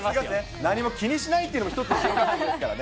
何も気にしないというのも一つの験担ぎですからね。